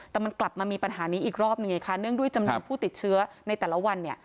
แต่มันกลับมามีปัญหานี้อีกรอบหนึ่งไงคะเนื่องด้วยจำนวนผู้ติดเชื้อในแต่ละวันเนี่ย